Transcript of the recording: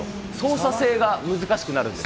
操作性が難しくなるんですよ。